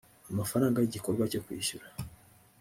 amafaranga y igikorwa cyo kwishyura